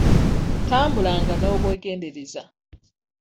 Tambulanga n'obwegendereza.